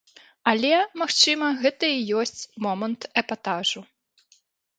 Але, магчыма, гэта і ёсць момант эпатажу.